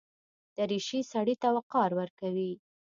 دریشي سړي ته وقار ورکوي.